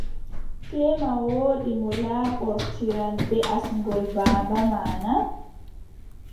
Teema woodi mo laɓɓotiran bee asngol baaba ma na ?